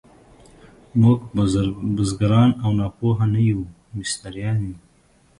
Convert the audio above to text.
موږ بزګران او ناپوه نه یو، مستریان یو.